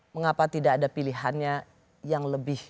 mengapa tidak ada pilihannya yang lebih